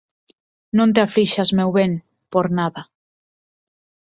Non te aflixas, meu ben, por nada...